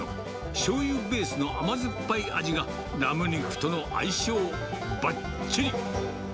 しょうゆベースの甘酸っぱい味が、ラム肉との相性ばっちり。